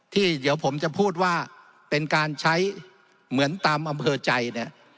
ที่เดี๋ยวผมจะพูดว่าเป็นการใช้เหมือนตามอำเภอใจเนี่ย